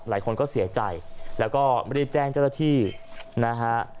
หลายคนก็เสียใจแล้วก็ไม่ได้แจ้งเจ้าตะที่นะฮะ